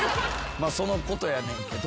まあそのことやねんけど。